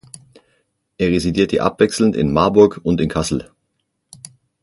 Er residierte abwechselnd in Marburg und in Kassel.